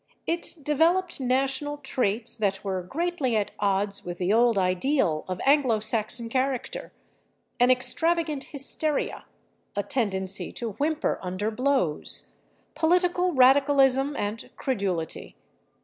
It developed national traits that were greatly at odds with the old ideal of Anglo Saxon character—an extravagant hysteria, a tendency to whimper under blows, political radicalism and credulity.